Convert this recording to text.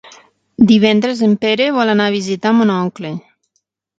Divendres en Pere vol anar a visitar mon oncle.